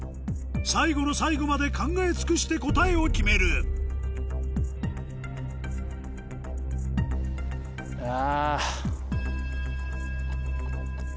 最後の最後まで考え尽くして答えを決めるあ！